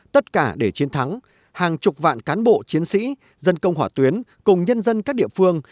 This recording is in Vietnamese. tất cả để chiến thắng hàng chục vạn cán bộ chiến sĩ dân công hỏa tuyến cùng nhân dân các địa phương